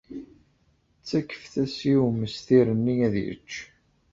Ttakfet-as i umestir-nni ad yečč.